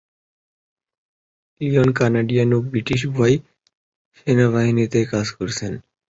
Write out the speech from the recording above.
Lyall Canadian ও British উভয় সেনাবাহিনীতেই কাজ করেছেন।